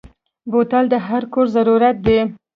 بوتل د هر کور ضرورت دی.